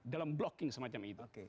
dalam blocking semacam itu